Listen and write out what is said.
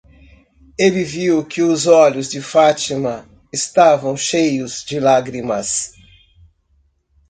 Ele viu que os olhos de Fátima estavam cheios de lágrimas.